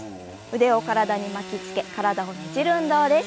腕を体に巻きつけ体をねじる運動です。